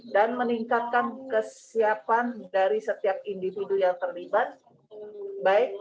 dan meningkatkan kesiapan dari setiap individu yang terlibat baik